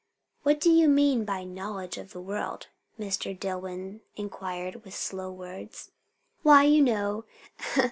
"What do you mean by knowledge of the world?" Mr. Dillwyn inquired with slow words. "Why! you know.